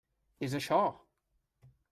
És això!